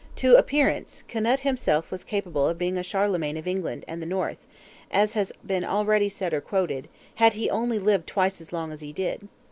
To appearance, Knut himself was capable of being a Charlemagne of England and the North (as has been already said or quoted), had he only lived twice as long as he did.